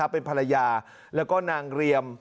เป็นภรรยาแล้วก็นางเรียม